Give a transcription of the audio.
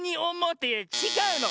ってちがうの！